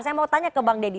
saya mau tanya ke bang deddy